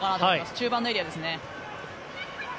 中盤のエリアですね。